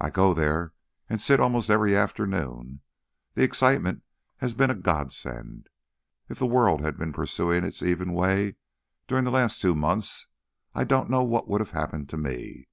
"I go there and sit almost every afternoon. This excitement has been a godsend. If the world had been pursuing its even way during the last two months, I don't know what would have happened to me.